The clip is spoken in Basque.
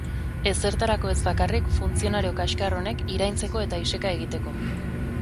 Ezertarako ez bakarrik funtzionario kaxkar honek iraintzeko eta iseka egiteko.